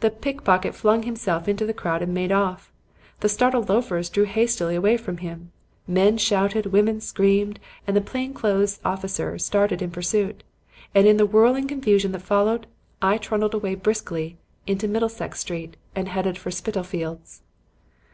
The pickpocket flung himself into the crowd and made off. The startled loafers drew hastily away from him. Men shouted, women screamed, and the plain clothes officer started in pursuit; and in the whirling confusion that followed, I trundled away briskly into Middlesex Street and headed for Spitalfields.